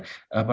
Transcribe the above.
apa rambut getar